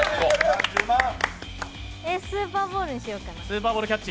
スーパーボールにしようかな。